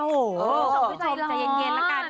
โอ้โฮทุกผู้ชมใจเย็นล่ะกัน